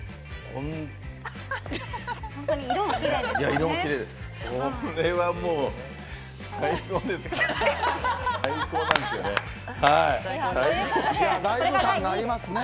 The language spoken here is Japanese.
これはもう最高なんですよね。